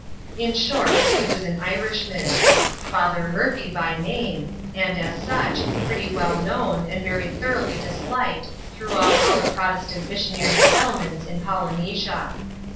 In short, he was an Irishman; Father Murphy by name ; and, as such, pretty well known, and very thoroughly disliked, throughout all the Protestant mis sionary settlements in Polynesia.